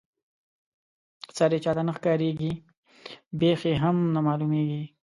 سر یې چاته نه ښکاريږي بېخ یې هم نه معلومیږي.